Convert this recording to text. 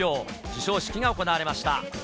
授賞式が行われました。